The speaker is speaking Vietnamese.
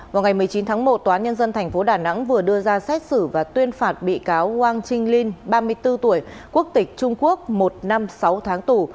vào ngày một mươi chín tháng một toán nhân dân thành phố đà nẵng vừa đưa ra xét xử và tuyên phạt bị cáo wang qinglin ba mươi bốn tuổi quốc tịch trung quốc một năm sáu tháng tù